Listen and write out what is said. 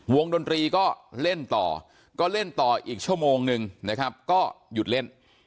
ดนตรีก็เล่นต่อก็เล่นต่ออีกชั่วโมงนึงนะครับก็หยุดเล่น